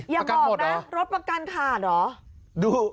อย่าบอกนะรถประกันขาดหรอประกันหมดหรอ